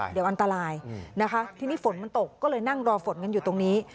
เดี๋ยวอันตรายนะคะทีนี้ฝนมันตกก็เลยนั่งรอฝนกันอยู่ตรงนี้